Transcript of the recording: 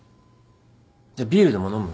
じゃあビールでも飲む？